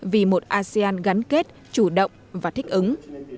vì một asean gắn kết chủ động và thích ứng